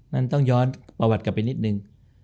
นั่นต้องย้อนประวัติกลับไปนิดนึง